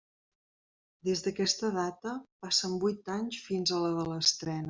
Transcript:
Des d'aquesta data, passen vuit anys fins a la de l'estrena.